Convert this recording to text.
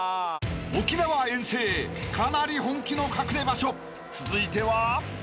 ［沖縄遠征かなり本気の隠れ場所続いては］